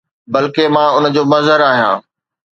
بلڪه، مان ان جو مظهر آهيان.